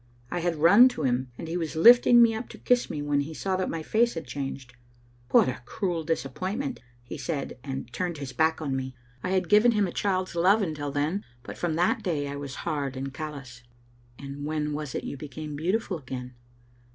I had run to him, and he was lifting me up to kiss me when he saw that my face had changed. 'What a cruel disappointment, ' he said, and turned his back on me. Digitized by VjOOQ IC d48 tsbc Kittle itinmet. I had given him a child's love until then, but from that day I was hard and callous. " "And when was it you became beautiful again?"